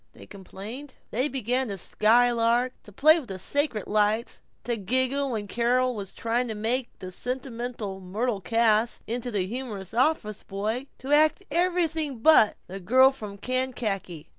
they complained. They began to skylark; to play with the sacred lights; to giggle when Carol was trying to make the sentimental Myrtle Cass into a humorous office boy; to act everything but "The Girl from Kankakee."